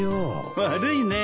悪いね。